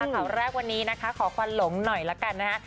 ข่าวแรกวันนี้นะคะขอควันหลงหน่อยละกันนะคะ